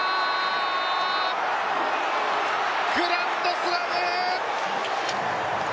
グランドスラム。